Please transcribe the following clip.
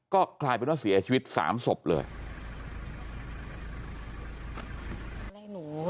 ก็กลายเป็นว่าเสียชีวิต๓ศพเลย